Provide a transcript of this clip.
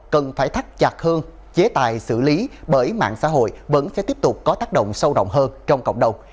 cần phải thắt chặt hơn chế tài xử lý bởi mạng xã hội vẫn sẽ tiếp tục có tác động sâu rộng hơn trong cộng đồng